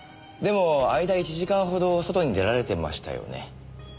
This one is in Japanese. でも間１時間ほど外に出られてましたよね？